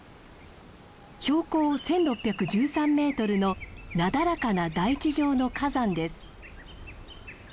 標高１，６１３メートルのなだらかな台地状の火山です。